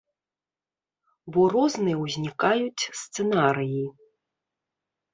Бо розныя ўзнікаюць сцэнарыі.